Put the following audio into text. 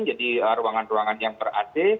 jadi ruangan ruangan yang ber ac